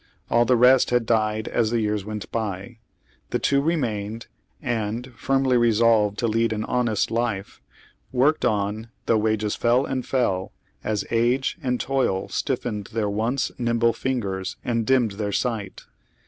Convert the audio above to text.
All the rest had died as the years went by. The two remained and, firmly resolved to lead an honest life, worked on though wages fell and fell as age and toil stiffened their once nimble fingers and dimmed their sight.